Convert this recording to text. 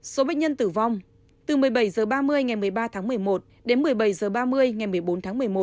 số bệnh nhân tử vong từ một mươi bảy h ba mươi ngày một mươi ba tháng một mươi một đến một mươi bảy h ba mươi ngày một mươi bốn tháng một mươi một